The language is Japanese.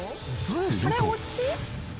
すると。